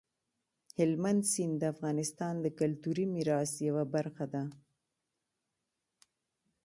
هلمند سیند د افغانستان د کلتوري میراث یوه برخه ده.